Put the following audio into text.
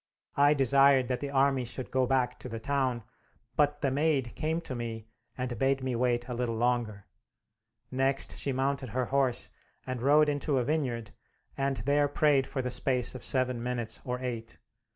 I desired that the army should go back to the town, but the Maid came to me and bade me wait a little longer. Next she mounted her horse and rode into a vineyard, and there prayed for the space of seven minutes or eight.